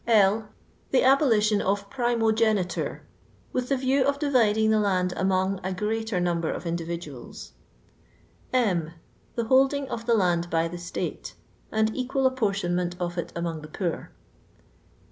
L. The abolition qf m iniogeniture ; with the view of dividing the land among a greater namber of individuals. H. Tilt holding of the land hg the Slate, and equal apportionment of it among the poor.